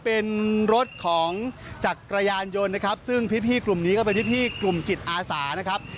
เป็นรถของจักรยานยนต์นะครับซึ่งพี่กลุ่มนี้ก็เป็นพี่กลุ่มจิตอาสานะครับ